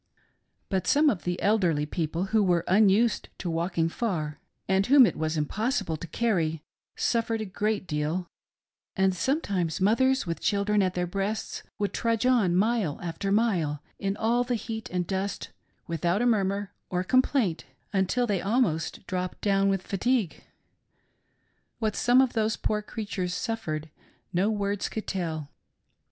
But some of the elderly peo ple who were unused to walking far, and whom it was impos sible to carry, suffered a great deal ; and sometimes mothers with children at their breasts would trudge on mile after mile in all the heat and dust without a murmur or complaint until they almost dropped down with fatigue. What some of those poor creatures suffered, no words could tell.